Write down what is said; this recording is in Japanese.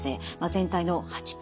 全体の８％。